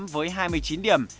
với hai mươi chín điểm